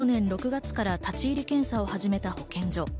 去年６月から立ち入り検査を始めた保健所。